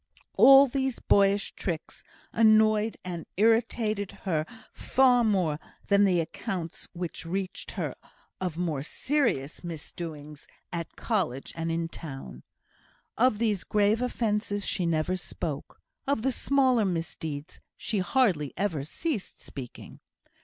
All these boyish tricks annoyed and irritated her far more than the accounts which reached her of more serious misdoings at college and in town. Of these grave offences she never spoke; of the smaller misdeeds she hardly ever ceased speaking.